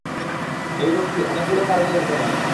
এই রোগটি অনেকগুলো কারণেই হতে পারে।